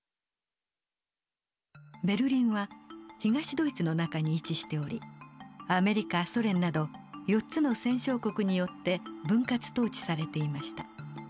ベルリンは東ドイツの中に位置しておりアメリカソ連など４つの戦勝国によって分割統治されていました。